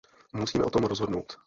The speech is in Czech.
Musíme o tom rozhodnout.